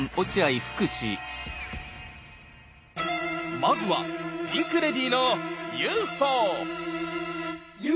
まずはピンク・レディーの「ＵＦＯ」！